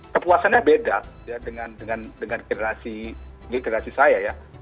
kepuasannya beda dengan generasi saya ya